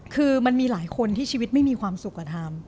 คือมันมีหลายคนที่ชีวิตไม่มีความสุขก็ทำ